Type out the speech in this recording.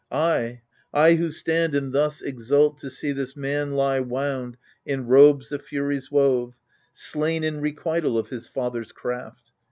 I, I who stand and thus exult to see This man lie wound in robes the Furies wove. Slain in requital of his father's craft.